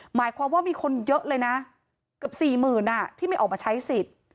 หมายความว่ามีคนเยอะเลยนะเกือบ๔๐๐๐ที่ไม่ออกมาใช้สิทธิ์